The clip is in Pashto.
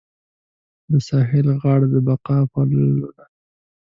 د ساحل غاړه د بقا پلونه